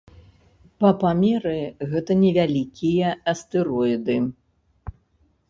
Па памеры гэта невялікія астэроіды.